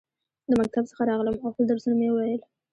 د مکتب څخه راغلم ، او خپل درسونه مې وویل.